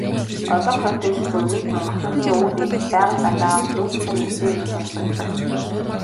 Олонх эрдэмтэд үүнийг монголчуудын өвөг дээдэс Байгал далайгаас нүүдэллэн иржээ гэж тайлбарладаг.